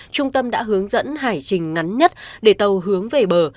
trung tâm đã hướng dẫn hải trình ngắn nhất để tàu hướng về bờ